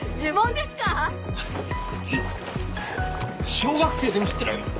小学生でも知ってる。